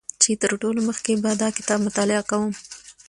چې تر ټولو مخکې به دا کتاب مطالعه کوم